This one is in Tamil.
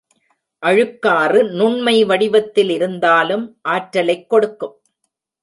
அழுக்காறு நுண்மை வடிவத்தில் இருந்தாலும் ஆற்றலைக் கெடுக்கும்.